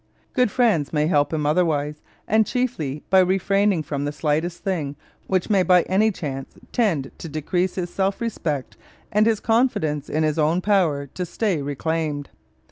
Good friends may help him otherwise, and chiefly by refraining from the slightest thing which may by any chance tend to decrease his self respect and his confidence in his own power to stay reclaimed.